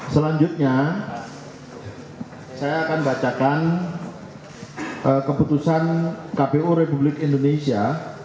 selanjutnya saya akan bacakan keputusan kpu republik indonesia